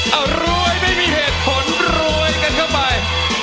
เอารวยไม่มีเหตุผลรวยกันเข้าไป